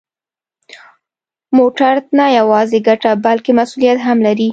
موټر نه یوازې ګټه، بلکه مسؤلیت هم لري.